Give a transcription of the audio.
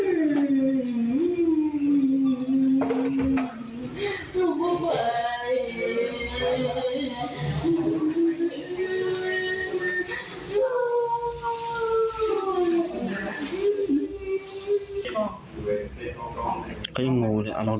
ก็ยังงงออกเดินด้วยครับปกติมันไม่เคยคล้องพลาด